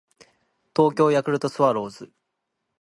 東京ヤクルトスワローズ